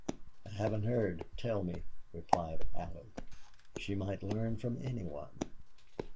"I haven't heard. Tell me," replied Allie. She might learn from any one.